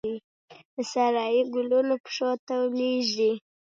د سارايي ګلونو پښو ته لویږې